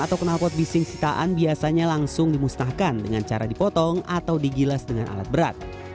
atau kenalpot bising sitaan biasanya langsung dimusnahkan dengan cara dipotong atau digilas dengan alat berat